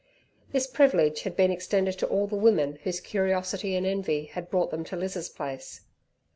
This privilege had been extended to all the women whose curiosity and envy had brought them to Liz's place.